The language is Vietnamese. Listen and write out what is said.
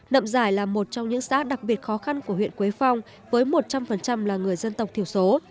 nậm giải là một trong những xã đặc biệt khó khăn của huyện quế phong với một trăm linh là người dân tộc thiểu số